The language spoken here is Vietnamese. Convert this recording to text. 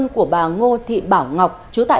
của bà ngô thị bảo ngọc trú tại